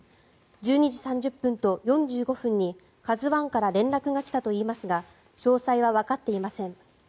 １２時３０分と４５分に「ＫＡＺＵ１」から連絡が来たといいますが詳細はわかっていません。